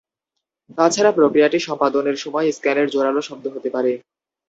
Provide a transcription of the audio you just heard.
তাছাড়া, প্রক্রিয়াটি সম্পাদনের সময় স্ক্যানের জোরালো শব্দ হতে পারে।